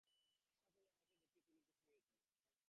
আশা করি, আমাকে দেখিয়া তিনি খুশি হইয়াছিলেন।